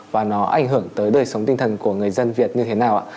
và nó ảnh hưởng tới đời sống tinh thần của người dân việt như thế nào ạ